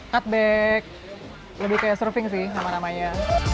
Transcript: cutback lebih kayak surfing sih sama namanya